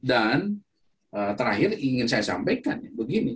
dan terakhir ingin saya sampaikan